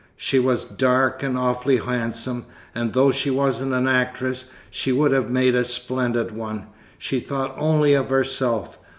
"She was dark and awfully handsome, and though she wasn't an actress, she would have made a splendid one. She thought only of herself.